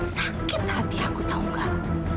sakit hati aku tahu kan